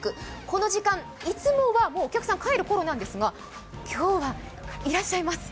この時間いつもはお客さんが帰るころなんですが、今日は、いらっしゃいます。